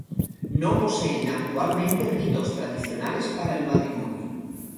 No poseen actualmente ritos tradicionales para el matrimonio.